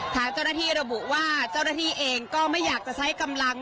ทางเจ้าหน้าที่ระบุว่าเจ้าหน้าที่เองก็ไม่อยากจะใช้กำลัง